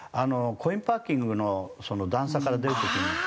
コインパーキングの段差から出る時に。